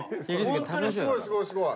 ホントにすごいすごいすごい。